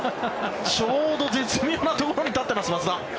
ちょうど絶妙なところに立ってます、松田。